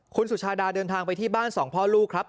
คุณสุชาดาเดินทางไปที่บ้านสองพ่อลูกครับ